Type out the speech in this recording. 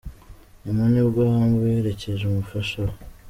nyuma nibwo Humble yaherekeje umufasha we.